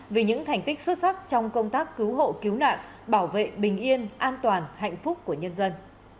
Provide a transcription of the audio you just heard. vì những thành tích xuất sắc trong công tác cứu hộ cứu nạn bảo vệ bình yên an toàn hạnh phúc của nhân dân